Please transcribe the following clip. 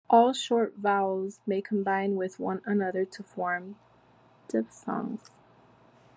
All short vowels may combine with one another to form diphthongs.